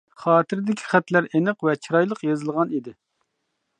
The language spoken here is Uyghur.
خاتىرىدىكى خەتلەر ئېنىق ۋە چىرايلىق يېزىلغان ئىدى.